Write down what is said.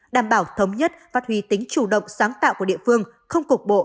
đảm bảo thống nhất và thuy tính chủ động sáng tạo của địa phương không cục bộ